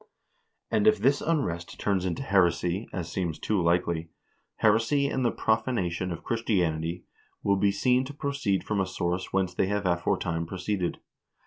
And if this unrest turns into heresy, as seems too likely, heresy and the profanation of Christianity will be seen to proceed from a source whence they have aforetime proceeded.